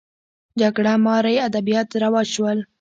جګړه مارۍ ادبیات رواج شول